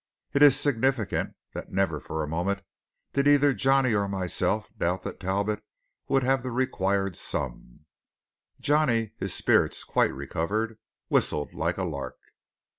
It is significant that never for a moment did either Johnny or myself doubt that Talbot would have the required sum. Johnny, his spirits quite recovered, whistled like a lark.